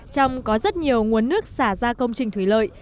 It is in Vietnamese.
trong có rất nhiều nguồn nước xả ra công trình thủy lợi